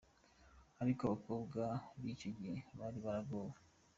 Ariko abakobwa bicyo gihe bari baragowe.